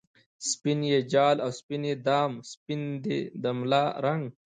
سپین یی جال او سپین یی دام ، سپین دی د ملا رنګ